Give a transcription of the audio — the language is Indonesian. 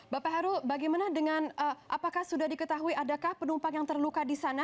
bapak hyrule apakah sudah diketahui adakah penumpang yang terluka di sana